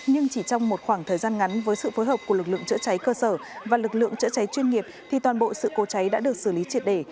nhưng chỉ trong một khoảng thời gian ngắn với sự phối hợp của lực lượng chữa cháy cơ sở và lực lượng chữa cháy chuyên nghiệp thì toàn bộ sự cố cháy đã được xử lý triệt để